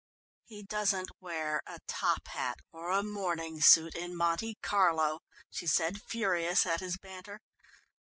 "He doesn't wear a top hat or a morning suit in Monte Carlo," she said, furious at his banter.